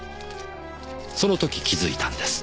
その時気づいたんです。